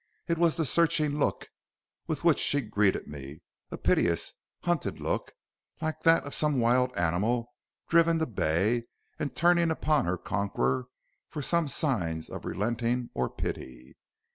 It was the searching look with which she greeted me, a piteous, hunted look, like that of some wild animal driven to bay and turning upon her conqueror for some signs of relenting or pity.